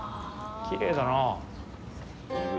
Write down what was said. きれいだなぁ。